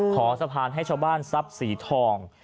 ขอสะพานให้ชาวบ้านทรัพย์สีทอง